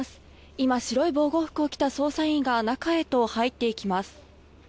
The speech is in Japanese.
今、白い防護服を着た捜査員が中へと入っていきます。